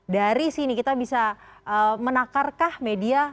dari sini kita bisa menakarkah media